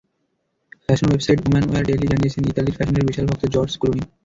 Fashion website Woman Wear Daily জানিয়েছে, ইতালির ফ্যাশনের বিশাল ভক্ত জর্জ ক্লুনি।